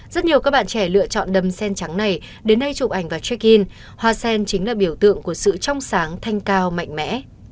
rất nhiều các bạn trẻ lựa chọn đầm sen trắng này đến nay chụp ảnh vào check in hoa sen chính là biểu tượng của sự trong sáng thanh cao mạnh mẽ